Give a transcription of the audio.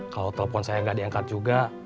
kalau telepon saya nggak diangkat juga